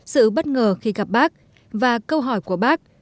sự bất ngờ khi gặp bác và câu hỏi của bác